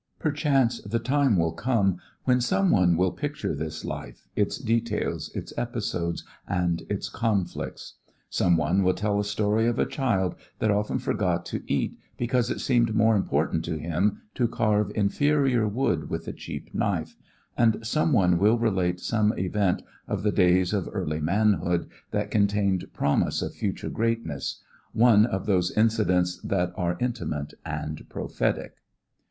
Perchance the time will come when someone will picture this life, its details, its episodes and its conflicts. Someone will tell a story of a child that often forgot to eat because it seemed more important to him to carve inferior wood with a cheap knife, and someone will relate some event of the days of early manhood that contained promise of future greatness one of those incidents that are intimate and prophetic.